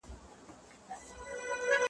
ږغ د خپل بلال مي پورته له منبره له منار کې `